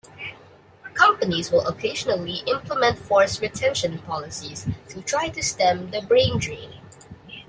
Companies will occasionally implement forced retention policies to try to stem the brain drain.